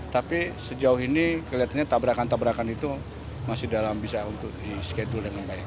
tapi sejauh ini kelihatannya tabrakan tabrakan itu masih dalam bisa untuk di schedule dengan baik